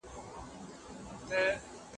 ښوونځي مخکې اصلاح منلې وه.